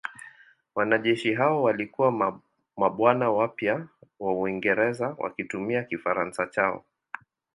Wanajeshi hao walikuwa mabwana wapya wa Uingereza wakitumia Kifaransa chao.